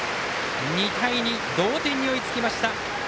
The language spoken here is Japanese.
２対２、同点に追いつきました。